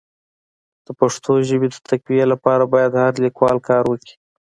د پښتو ژبي د تقويي لپاره باید هر لیکوال کار وکړي.